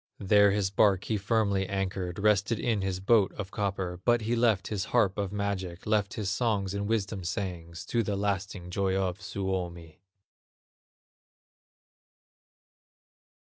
There his bark he firmly anchored, Rested in his boat of copper; But he left his harp of magic, Left his songs and wisdom sayings, To the lasting joy of Suomi.